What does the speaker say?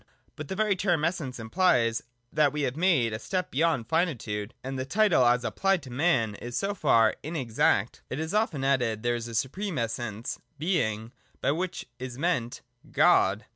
But the very term Essence implies that we have made a step beyond finitude : and the title as applied to man is so far in exact. It is often added that there is a supreme Essence, (Being) : by which is meant God.